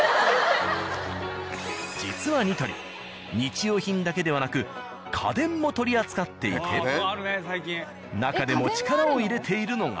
実は「ニトリ」日用品だけではなく家電も取り扱っていてなかでもうわっ。